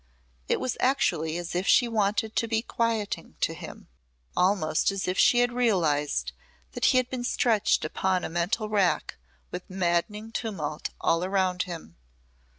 It was actually as if she wanted to be quieting to him almost as if she had realised that he had been stretched upon a mental rack with maddening tumult all around him.